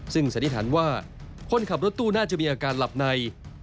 ซึ่งสันนิษฐานว่าคนขับรถตู้น่าจะมีอาการหลับใน